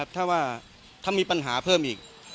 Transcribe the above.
ถ้ามีปัญหาเพิ่มอีก